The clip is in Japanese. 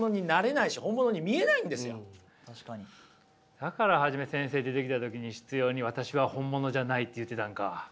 だから初め先生出てきた時に執ように「私は本物じゃない」って言うてたんか。